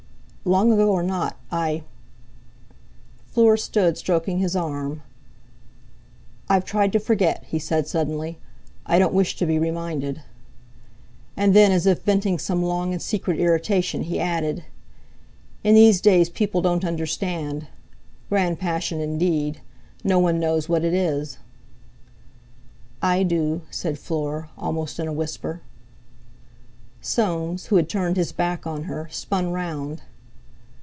"Long ago or not, I...." Fleur stood stroking his arm. "I've tried to forget," he said suddenly; "I don't wish to be reminded." And then, as if venting some long and secret irritation, he added: "In these days people don't understand. Grand passion, indeed! No one knows what it is." "I do," said Fleur, almost in a whisper. Soames, who had turned his back on her, spun round.